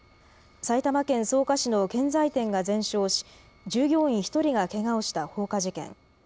埼玉県草加市の建材店が全焼し、従業員１人がけがをした放火事件。